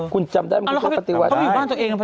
คุณจำได้มันคือคุณปฏิวัติแล้วเขาไปอยู่บ้านตัวเอง